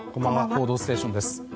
「報道ステーション」です。